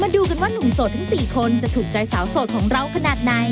ยิ้มหวาน